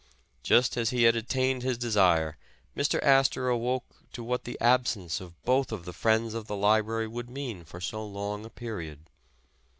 Just as he had attained his desire, Mr. Astor awoke to what the absence of both of the friends of the library would mean for so long a period.